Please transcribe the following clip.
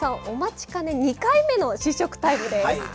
お待ちかね２回目の試食タイムです！